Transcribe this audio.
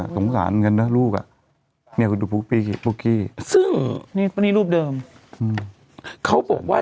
สงสารเหมือนกันนะลูกอ่ะเนี่ยคุณดูปุ๊กกี้ปุ๊กกี้ซึ่งนี่รูปเดิมเขาบอกว่า